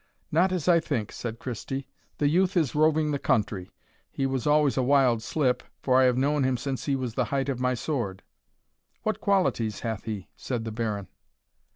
"Not as I think," said Christie; "the youth is roving the country he was always a wild slip, for I have known him since he was the height of my sword." "What qualities hath he?" said the Baron.